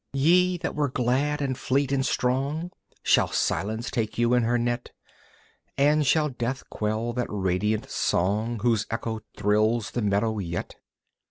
Ye that were glad and fleet and strong, Shall Silence take you in her net? And shall Death quell that radiant song Whose echo thrills the meadow yet?